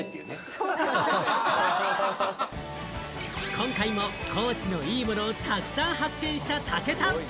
今回も高知のいいものをたくさん発見した武田。